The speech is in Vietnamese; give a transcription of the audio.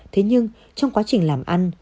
thế nhưng trong quá trình làm ăn